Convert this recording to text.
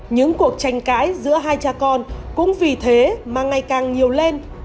những cuộc tranh cãi giữa hai cha con cũng vì thế mà ngày càng nhiều lên